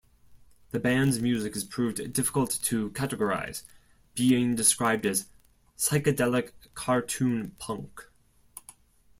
The band's music has proved difficult to categorize, being described as "psychedelic cartoon punk".